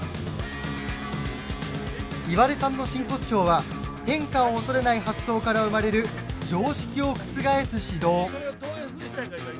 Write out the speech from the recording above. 岩出さんの真骨頂は変化を恐れない発想から生まれる常識を覆す指導。